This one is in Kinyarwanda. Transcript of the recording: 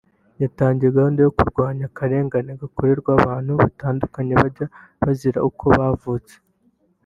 yatangiye gahunda yo kurwanya akarengane gakorerwa abantu batandukanye bajya bazira uko bavutse